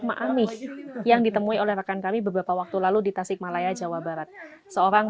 ma'amih yang ditemui oleh rekan kami beberapa waktu lalu di tasikmalaya jawa barat seorang